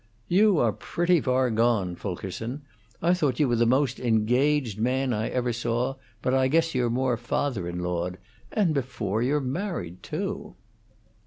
"You are pretty far gone, Fulkerson. I thought you were the most engaged man I ever saw; but I guess you're more father in lawed. And before you're married, too."